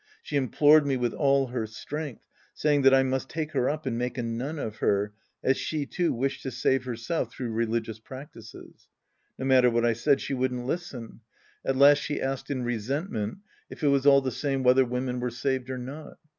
She implored me with all her strength, saying that I must take her up and make a nun of her, as she, too, wish ed to save herself tlirough religious practices. No matter what I said, she wouldn't listen. At last she Act II The Priest and His Disciples 77 asked in resentment if it was all the same whether women were saved or not.